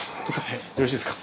よろしいですか？